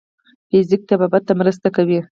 فزیک طبابت ته مرسته کوي.